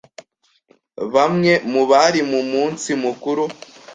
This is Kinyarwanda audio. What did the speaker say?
Bamwe mu bari mu munsi mukuru